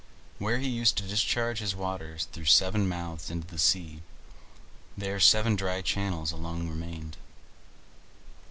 Where he used to discharge his waters through seven mouths into the sea, there seven dry channels alone remained.